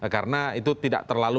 karena itu tidak terlalu